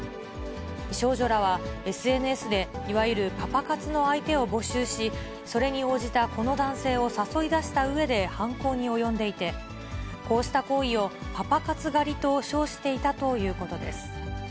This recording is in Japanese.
少女らは、ＳＮＳでいわゆるパパ活の相手を募集し、それに応じたこの男性を誘い出したうえで、犯行に及んでいて、こうした行為をパパ活狩りと称していたということです。